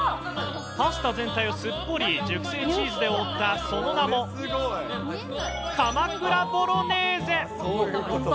パスタ全体をすっぽり熟成チーズで覆った、その名もかまくらボロネーゼ。